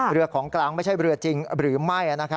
เรือของกลางไม่ใช่เรือจริงหรือไม่